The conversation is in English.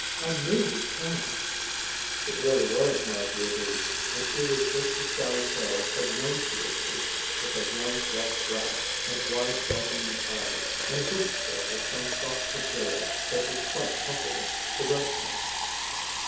"I knew you'd come." It really was Margery Lee, and she was just as Sally Carrol had known she would be, with a young, white brow, and wide welcoming eyes, and a hoop skirt of some soft material that was quite comforting to rest on.